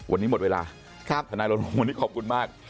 วันนี้หมดเวลาทนายรณรงค์วันนี้ขอบคุณมาก